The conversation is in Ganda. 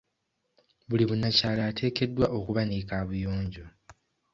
Buli munnakyalo ateekeddwa okuba ne kaabuyonjo.